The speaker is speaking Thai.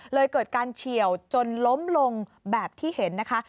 เกิดการเฉียวจนล้มลงแบบที่เห็นนะคะ